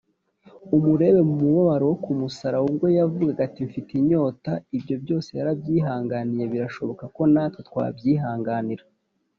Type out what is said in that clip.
. Amurebe mu mubabaro wo ku musaraba, ubwo yavugaga ati, “Mfite inyota.” Ibyo byose yarabyihanganiye birashoboka ko natwe twabyihanganira